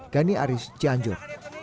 gani aris cianjur